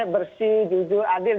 bersih jujur adil